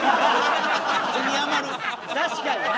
確かにな！